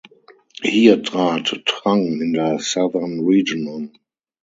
Hier trat Trang in der Southern Region an.